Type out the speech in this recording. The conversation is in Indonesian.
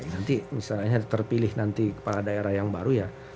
nanti misalnya terpilih nanti kepala daerah yang baru ya